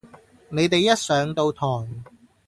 你哋一上到台